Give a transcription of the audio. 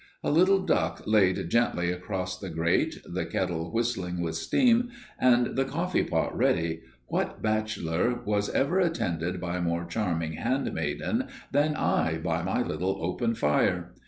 A little duck laid gently across the grate, the kettle whistling with steam, and the coffee pot ready what bachelor was ever attended by more charming handmaiden than I by my little open fire?